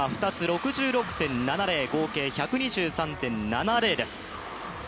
６６．７０、合計１２３．７０です。